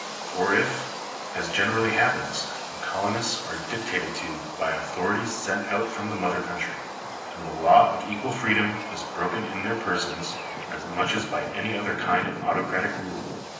For if, as generally happens, the colonists are dictated to by authorities sent out from the mother country, then the law of equal freedom is broken in their persons, as much as by any other kind of autocratic rule.